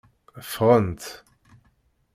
Ffɣent.